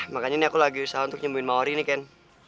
makanya ini aku lagi usaha untuk nyembuhin mawar ini kan